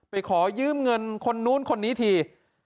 ขอยืมเงินคนนู้นคนนี้ที